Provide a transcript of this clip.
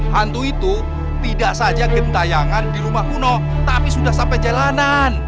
hantu itu tidak saja gentayangan di rumah kuno tapi sudah sampai jalanan